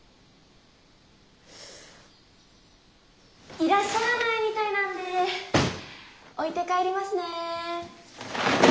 いらっしゃらないみたいなんでー置いて帰りますねー。